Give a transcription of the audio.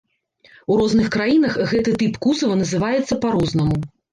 У розных краінах гэты тып кузава называецца па-рознаму.